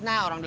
ini apaan sih